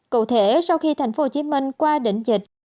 cụ thể sau khi tp hcm qua đỉnh dịch